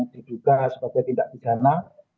diduga sebagai tindak pidana